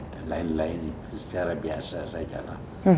dan lain lain itu secara biasa saja lah